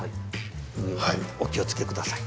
上お気を付け下さい。